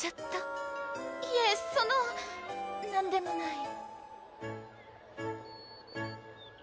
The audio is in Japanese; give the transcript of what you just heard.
その何でもない